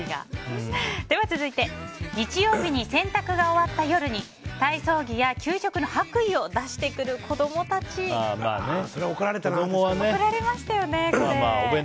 続いて日曜日に洗濯が終わった夜に体操着や給食の白衣を出してくる怒られましたよね。